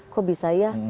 kok bisa ya